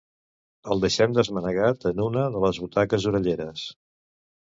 El deixem desmanegat en una de les butaques orelleres.